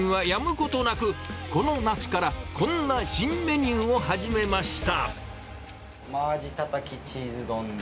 ことなく、この夏から、こんな新メニューを始めました。